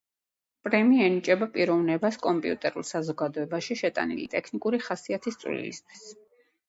პრემია ენიჭება პიროვნებას „კომპიუტერულ საზოგადოებაში შეტანილი ტექნიკური ხასიათის წვლილისთვის“.